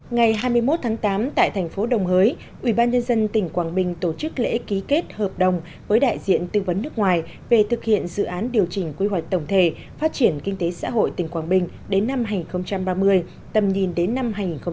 ngày hai mươi một tháng tám tại thành phố đồng hới ubnd tỉnh quảng bình tổ chức lễ ký kết hợp đồng với đại diện tư vấn nước ngoài về thực hiện dự án điều chỉnh quy hoạch tổng thể phát triển kinh tế xã hội tỉnh quảng bình đến năm hai nghìn ba mươi tầm nhìn đến năm hai nghìn bốn mươi năm